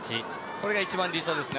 これが一番、理想ですね。